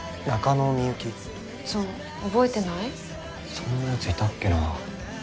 そんな奴いたっけな。